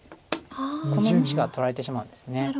この２子が取られてしまうんです。